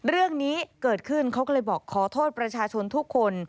เรื่องนี้เกิดขึ้นเขาก็เลยบอกขอโทษประชาชนทุกคน